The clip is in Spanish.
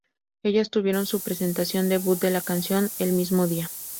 Ellas tuvieron su presentación debut de la canción el mismo día.